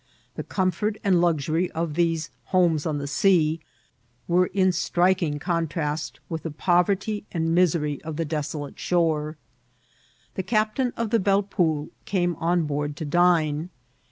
The comfort and luxury of these ^^ homes on the sea" were in striking contrast with the poverty and misery of tfie desolate shore. The captain of the Belle Poule came on board to dine.